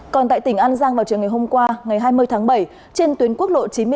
còn tại tỉnh an giang vào chiều ngày hôm qua ngày hai mươi tháng bảy trên tuyến quốc lộ chín mươi hai